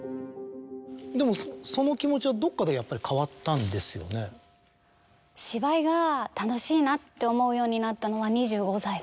でもその気持ちはどっかでやっぱり変わったんですよね。って思うようになったのは。